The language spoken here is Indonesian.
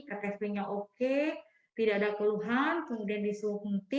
ketepliknya oke tidak ada keluhan kemudian disuruh henti